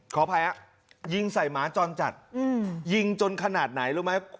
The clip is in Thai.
ขอแพ้ยิงใส่หมาจรจัดอืมยิงจนขนาดไหนรู้ไหม